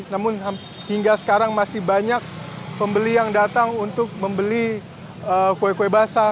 namun hingga sekarang masih banyak pembeli yang datang untuk membeli kue kue basah